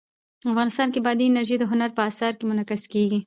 افغانستان کې بادي انرژي د هنر په اثار کې منعکس کېږي.